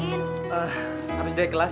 eh habis deh kelas